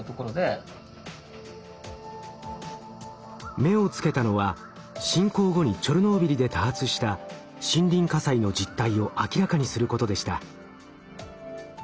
目をつけたのは侵攻後にチョルノービリで多発した森林火災の実態を明らかにすることでした。